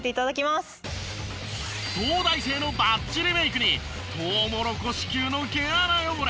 東大生のバッチリメイクにトウモロコシ級の毛穴汚れ。